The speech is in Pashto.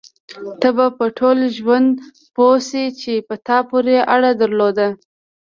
ته به په ټول ژوند پوه شې چې په تا پورې اړه درلوده.